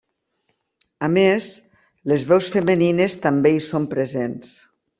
A més, les veus femenines també hi són presents.